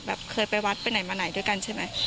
เคยไปวัดไปไหนมาไหนด้วยกันใช่ไหม